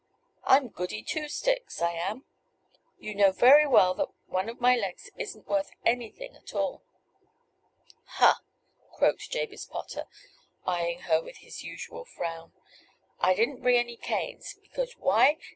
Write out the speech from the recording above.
I'm Goody Two sticks, I am. You know very well that one of my legs isn't worth anything at all." "Ha!" croaked Jabez Potter, eyeing her with his usual frown, "I didn't bring any canes; because why?